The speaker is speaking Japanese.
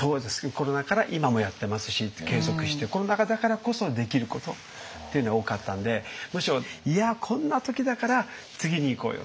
コロナ禍から今もやってますし継続してコロナ禍だからこそできることっていうのが多かったんでむしろ「いやこんな時だから次にいこうよ」とか。